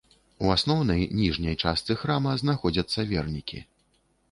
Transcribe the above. У асноўнай, ніжняй частцы храма знаходзяцца вернікі.